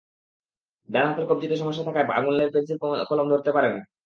ডান হাতের কবজিতে সমস্যা থাকায় আঙুলে পেনসিল কলম ধরতে পারে না।